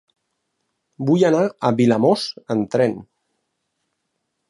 Vull anar a Vilamòs amb tren.